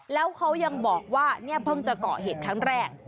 แล้วเขายังบอกว่าเนี่ยเพิ่งจะเกาะเหตุครั้งแรก